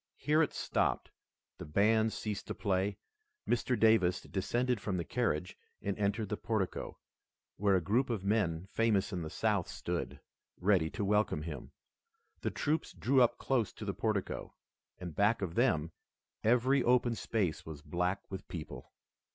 Here it stopped, the bands ceased to play, Mr. Davis descended from the carriage and entered the portico, where a group of men famous in the South stood, ready to welcome him. The troops drew up close to the portico, and back of them, every open space was black with people.